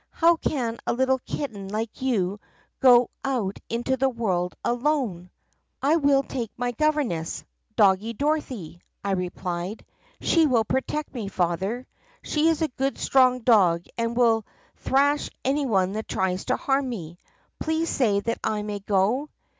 'How can a little kitten like you go out into the world alone?' " 'I will take my governess, Doggie Dorothy,' I replied; 'she will protect me, Father. She is a good strong dog and will thrash any one that tries to harm me. Please say that I may go!